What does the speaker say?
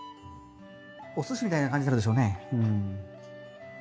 おすしみたいな感じになるでしょうね。